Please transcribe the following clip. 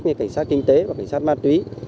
như cảnh sát kinh tế và cảnh sát ma túy